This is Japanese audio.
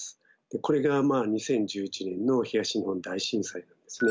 これが２０１１年の東日本大震災ですね。